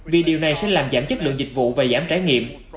vì điều này sẽ làm giảm chất lượng dịch vụ và giảm trải nghiệm